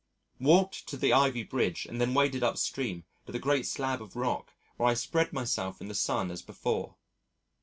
Walked to the ivy bridge and then waded upstream to the great slab of rock where I spread myself in the sun as before.